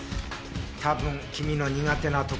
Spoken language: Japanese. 多分君の苦手なところ。